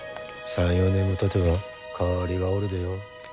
３４年もたてば代わりがおるでよ。